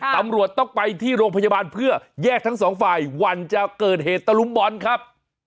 ตำรวจต้องไปที่โรงพยาบาลเพื่อแยกทั้งสองฝ่ายวันจะเกิดเหตุตะลุมบอลครับ